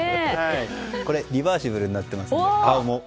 これ、リバーシブルになってます。